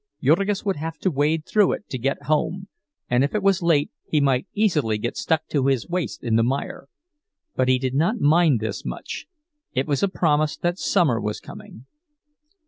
Jurgis would have to wade through it to get home, and if it was late he might easily get stuck to his waist in the mire. But he did not mind this much—it was a promise that summer was coming.